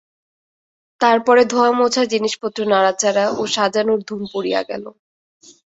তার পরে ধোওয়ামোছা জিনিসপত্র-নাড়াচাড়া ও সাজানোর ধুম পড়িয়া গেল।